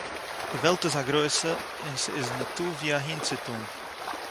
די וועלט איז אַ גרויסע און ס'איז זיך ניטאָ וווּ אַהינצוטאָן.